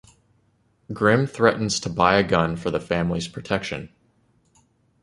Grim threatens to buy a gun for the family's protection.